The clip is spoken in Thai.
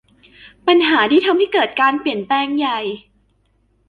ปัญหาที่ทำให้เกิดการเปลี่ยนแปลงใหญ่